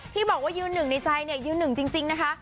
พี่บอกว่ายืน๑ในใจยืน๑จริงนะคะ